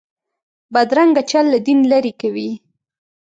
بدرنګه چل له دین لرې کوي